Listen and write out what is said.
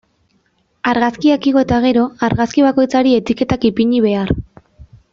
Argazkiak igo eta gero, argazki bakoitzari etiketak ipini behar.